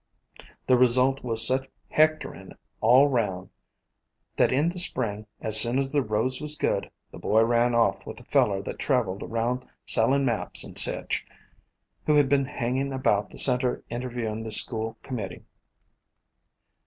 The result was such hectorin' all round that in the spring, as soon as the roads was good, the boy ran off with a feller that travelled around sellin' maps and sech, who had been hang in' about the Center interviewin' the school com mittee.